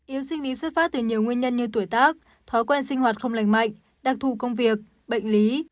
yếu sinh lý xuất phát từ nhiều nguyên nhân như tuổi tác thói quen sinh hoạt không lành mạnh đặc thù công việc bệnh lý